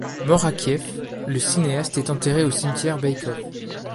Mort à Kiev, le cinéaste est enterré au cimetière Baïkove.